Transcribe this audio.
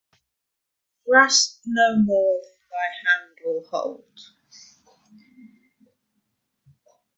Grasp no more than thy hand will hold